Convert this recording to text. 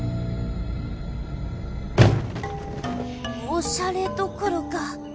おしゃれどころか